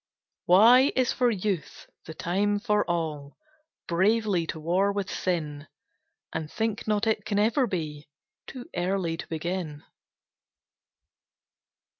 Y Y is for Youth the time for all Bravely to war with sin; And think not it can ever be Too early to begin.